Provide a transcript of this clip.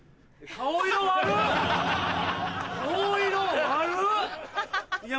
顔色悪っ！